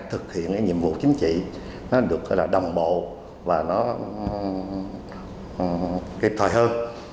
thứ hai là nó được thực hiện nhiệm vụ chính trị nó được đồng bộ và nó kịp thời hơn